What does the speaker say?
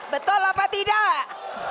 betul apa tidak